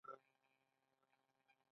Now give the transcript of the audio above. د افغانستان سیندونه مست دي